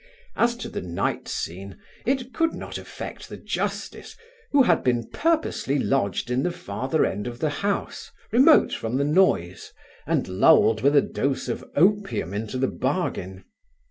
As to the night scene, it could not affect the justice, who had been purposely lodged in the farther end of the house, remote from the noise, and lulled with a dose of opium into the bargain.